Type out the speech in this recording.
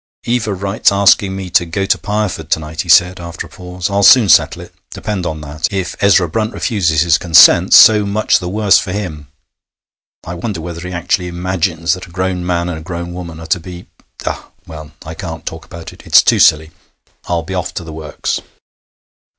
'Eva writes asking me to go to Pireford to night,' he said, after a pause. 'I'll soon settle it, depend on that. If Ezra Brunt refuses his consent, so much the worse for him. I wonder whether he actually imagines that a grown man and a grown woman are to be.... Ah well, I can't talk about it! It's too silly. I'll be off to the works.'